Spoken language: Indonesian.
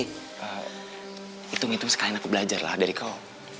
hitung hitung sekalian aku belajar lah dari kau